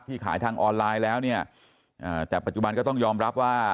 ขายทางออนไลน์แล้วเนี่ยแต่ปัจจุบันก็ต้องยอมรับว่า